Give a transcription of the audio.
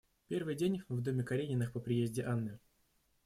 Первый день в доме Карениных по приезде Анны.